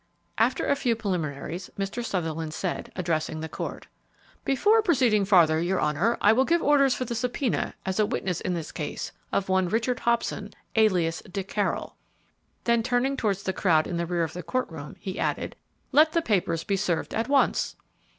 After a few preliminaries, Mr. Sutherland said, addressing the court, "Before proceeding farther, your honor, I will give orders for the subpoena, as a witness in this case, of one Richard Hobson, alias Dick Carroll." Then turning towards the crowd in the rear of the courtroom, he added, "Let the papers be served at once."